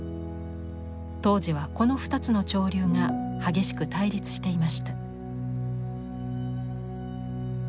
当時はこの２つの潮流が激しく対立していました。